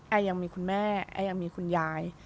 ยังมีคุณแม่แอร์ยังมีคุณยาย